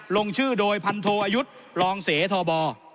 ลงชื่อโดยพันโทอายุรองเสธบ